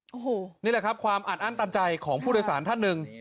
โอ้โหนี่แหละครับความอัดอั้นตันใจของผู้โดยสารท่านหนึ่ง